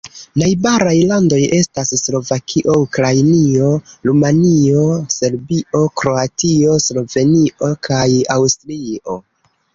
Najbaraj landoj estas Slovakio, Ukrainio, Rumanio, Serbio, Kroatio, Slovenio kaj Aŭstrio.